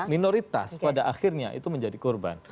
minoritas pada akhirnya itu menjadi korban